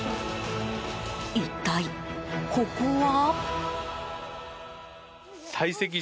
一体、ここは？